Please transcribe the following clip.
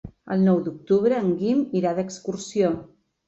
El nou d'octubre en Guim irà d'excursió.